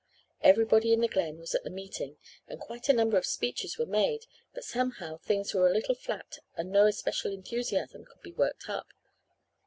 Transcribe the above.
Everybody in the Glen was at the meeting, and quite a number of speeches were made, but somehow things were a little flat and no especial enthusiasm could be worked up.